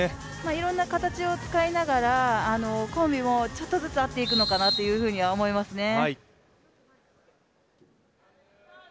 いろんな形を使いながらコンビもちょっとずつ合っていくのかなというふうには思いますね。